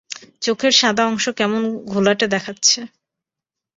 চোখের সাদা অংশ কেমন ঘোলাটে দেখাচ্ছে।